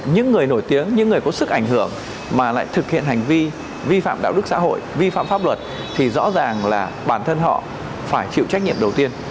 những người nổi tiếng những người có sức ảnh hưởng mà lại thực hiện hành vi vi phạm đạo đức xã hội vi phạm pháp luật thì rõ ràng là bản thân họ phải chịu trách nhiệm đầu tiên